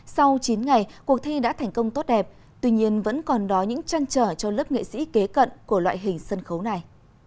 sau chín ngày cuộc thi đã thành công tốt đẹp tuy nhiên vẫn còn đó những trăn trở cho lớp nghệ sĩ kế cận của loại hình sân khấu này